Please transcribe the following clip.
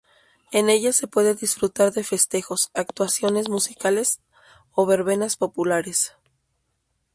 En ellas se puede disfrutar de festejos, actuaciones musicales o verbenas populares.